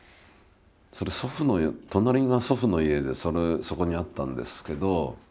祖父の隣が祖父の家でそこにあったんですけど。